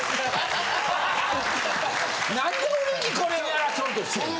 なんで俺にこれをやらそうとしてんねん。